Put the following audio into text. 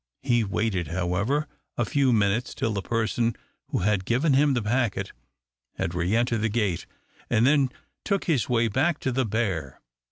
He waited, however, a few minutes till the person who had given him the packet had re entered the gate, and then took his way back to the Bear.